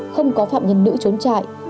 không có phạm nhân nữ trốn trại